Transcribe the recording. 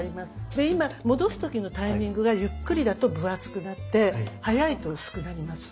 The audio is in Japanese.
で今戻す時のタイミングがゆっくりだと分厚くなって早いと薄くなります。